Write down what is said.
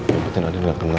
dapetin andin gak kena